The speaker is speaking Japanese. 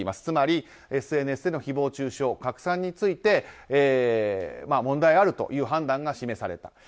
つまりＳＮＳでの誹謗中傷拡散について問題があるという判断が示された。